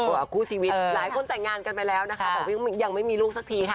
คู่ชีวิตหลายคนแต่งงานกันไปแล้วนะคะแต่ยังไม่มีลูกสักทีค่ะ